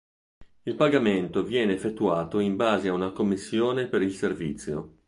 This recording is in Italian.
Il pagamento viene effettuato in base a una commissione per il servizio.